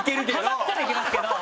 ハマったらいけますけど。